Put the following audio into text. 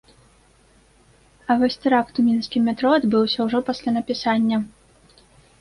А вось тэракт у мінскім метро адбыўся ўжо пасля напісання.